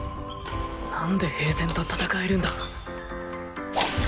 何で平然と戦えるんだ？